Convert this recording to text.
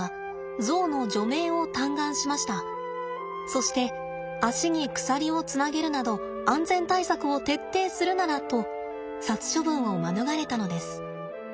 そして肢に鎖をつなげるなど安全対策を徹底するならと殺処分を免れたのです。